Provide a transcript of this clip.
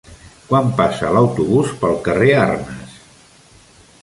Quan passa l'autobús pel carrer Arnes?